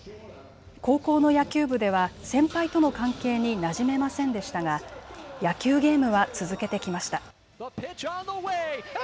高校の野球部では先輩との関係になじめませんでしたが野球ゲームは続けてきました。